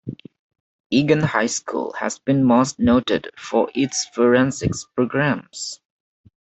Eagan High School has been most noted for its forensics programs.